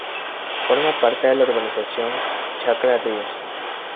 Forma parte de la urbanización Chacra Ríos.